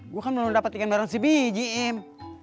gue kan belum dapat ikan bareng si biji em